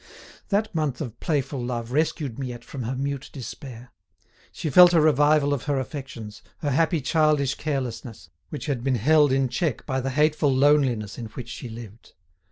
That month of playful love rescued Miette from her mute despair. She felt a revival of her affections, her happy childish carelessness, which had been held in check by the hateful loneliness in which she lived.